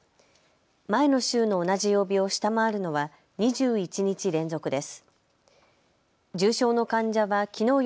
前の週の同じ曜日を下回るのは２１日連続です。